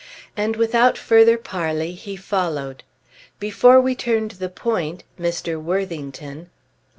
And without further parley, he followed. Before we turned the point, Mr. Worthington